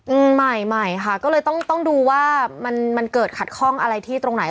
อืมไม่ค่ะก็เลยต้องดูว่ามันเกิดขัดข้องอะไรที่ตรงไหน